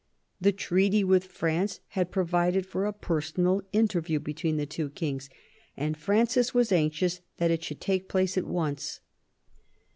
The treaty with France had provided for a personal interview between the two kings, and Francis was anxious that it should take place at once.